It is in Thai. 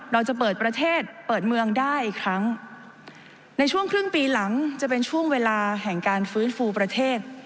เราจะเปิดประเทศเปิดเมืองได้อีกครั้งในช่วงครึ่งปีหลังจะเป็นช่วงเวลาแห่งการฟื้นฟูประเทศ